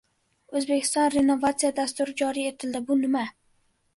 O‘zbekistonda renovatsiya dasturi joriy etiladi. Bu nima?